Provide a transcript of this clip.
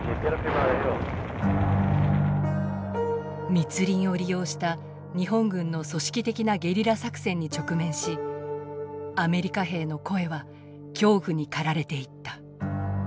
密林を利用した日本軍の組織的なゲリラ作戦に直面しアメリカ兵の声は恐怖に駆られていった。